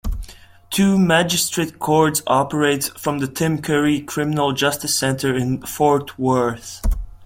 Two Magistrate Courts operate from the Tim Curry Criminal Justice Center in Fort Worth.